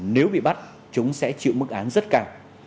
nếu bị bắt chúng sẽ chịu mức án rất cao